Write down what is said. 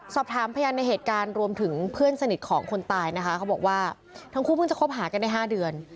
สอบถามพยานในเหตุการณ์รวมถึงเพื่อนสนิทของคนตายนะคะเขาบอกว่าทั้งคู่เพิ่งจะคบหากันได้๕เดือน